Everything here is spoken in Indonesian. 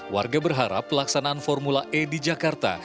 warga berharap pelaksanaan formula e di jakarta